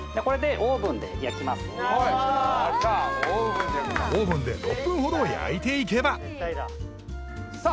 オーブンで６分ほど焼いていけばさあ！